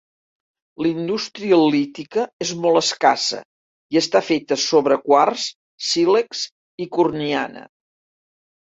La indústria lítica és molt escassa, i està feta sobre quars, sílex i corniana.